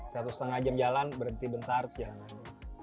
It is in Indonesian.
satu setengah jam jalan berhenti bentar terus jalan lagi